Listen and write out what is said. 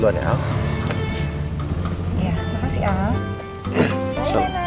terima kasih al